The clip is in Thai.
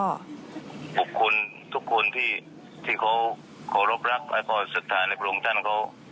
บุคคลทุกคนที่เค้าขอรับรักและก็ศึกษาในภูมิของท่านเค้า